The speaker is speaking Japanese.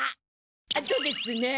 あとですね！